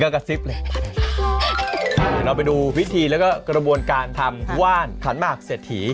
กระซิบเลยเราไปดูพิธีแล้วก็กระบวนการทำว่านขันหมากเศรษฐี